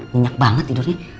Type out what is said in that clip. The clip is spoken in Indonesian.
nginyak banget tidurnya